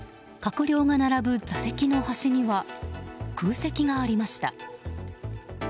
閣僚が並ぶ座席の端には空席がありました。